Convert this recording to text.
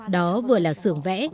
đó vừa là sưởng vẽ